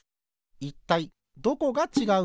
いったいどこがちがうのか？